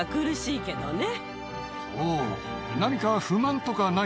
そう。